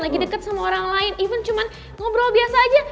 lagi deket sama orang lain even cuma ngobrol biasa aja